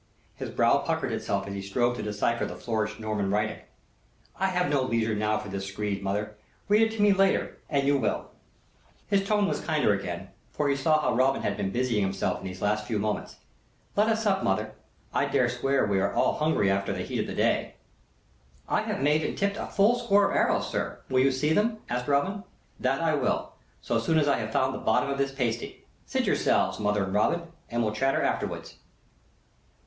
His brow puckered itself as he strove to decipher the flourished Norman writing. "I have no leisure now for this screed, mother; read it to me later, an you will." His tone was kinder again, for he saw how Robin had been busying himself in these last few moments. "Let us sup, mother. I dare swear we all are hungry after the heat of the day." "I have made and tipped a full score of arrows, sir; will you see them?" asked Robin. "That will I, so soon as I have found the bottom of this pasty. Sit yourselves, mother and Robin, and we'll chatter afterwards."